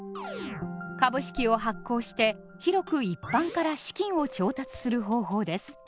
株式を発行して広く一般から資金を調達する方法です。